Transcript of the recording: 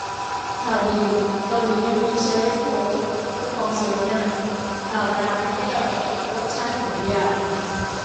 ข่าวดี เกาหลียังมีเชอร์รี่โค้ก กระป๋องสวยงาม ข่าวร้าย ไม่อร่อย รสชาติเหมือนยา